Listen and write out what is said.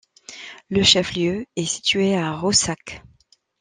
Le chef-lieu est situé à Roussac.